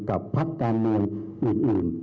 กับภักดิ์การเมืองอื่น